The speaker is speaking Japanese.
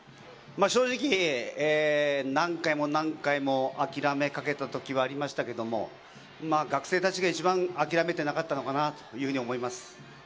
正直、何回も諦めかけたときはありましたけれど、学生たちが一番諦めてなかったのかなというふうに思います。